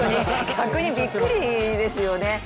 逆にびっくりですよね。